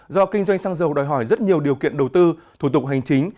do kinh doanh xăng dầu đòi hỏi rất nhiều điều kiện đầu tư thủ tục hành chính